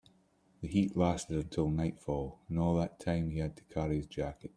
The heat lasted until nightfall, and all that time he had to carry his jacket.